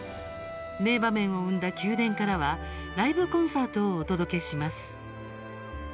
名場面を生んだ宮殿からはライブコンサートをお届けします。